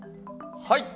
はい！